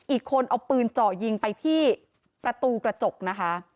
อีกคนเอาปืนเจาะยิงไปที่ประตูกระจกนะคะ